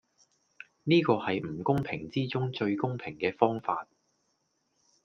呢個係唔公平之中最公平既方法